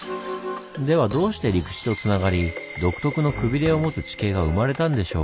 ではどうして陸地とつながり独特のくびれを持つ地形が生まれたんでしょう？